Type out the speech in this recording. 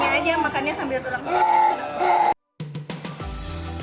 ada sendirinya aja makannya sambil tulang rusuk